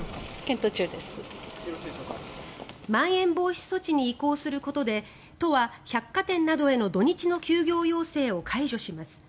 まん延防止措置に移行することで都は百貨店などへの土日の休業要請を解除します。